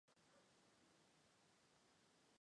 陶代尼的盐矿位于一个古老的咸水湖的湖底。